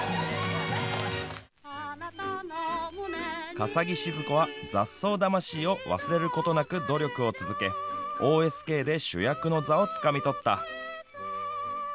笠置シヅ子は雑草魂を忘れることなく努力を続けＯＳＫで主役の座をつかみ取った。